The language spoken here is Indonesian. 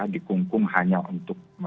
dikungkung hanya untuk